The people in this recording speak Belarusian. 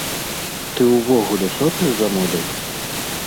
Ты ўвогуле сочыш за модай?